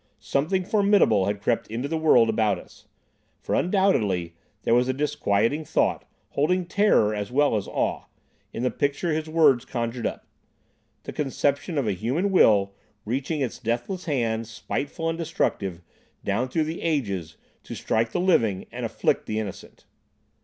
Something formidable had crept into the world about us. For, undoubtedly, there was a disquieting thought, holding terror as well as awe, in the picture his words conjured up: the conception of a human will reaching its deathless hand, spiteful and destructive, down through the ages, to strike the living and afflict the innocent.